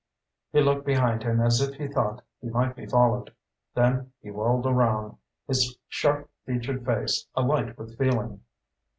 He looked behind him as if he thought he might be followed. Then he whirled around, his sharp featured face alight with feeling.